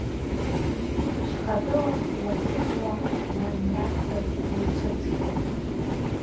Шьхатәылан, уахьыӡуа, уаниарцаз иуцәыӡхьоу…